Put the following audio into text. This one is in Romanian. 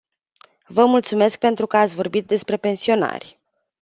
Vă mulțumesc pentru că ați vorbit despre pensionari.